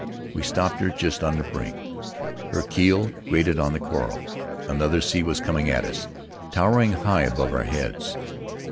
We stopped her just on the brink; her keel grated on the coral; another sea was coming at us, towering high above our heads.